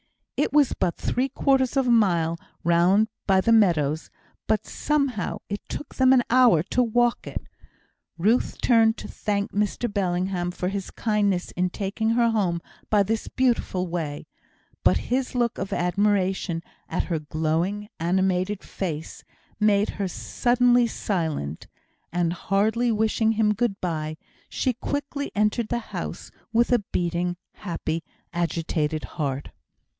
It was but three quarters of a mile round by the meadows, but somehow it took them an hour to walk it. Ruth turned to thank Mr Bellingham for his kindness in taking her home by this beautiful way, but his look of admiration at her glowing, animated face, made her suddenly silent; and, hardly wishing him good bye, she quickly entered the house with a beating, happy, agitated heart.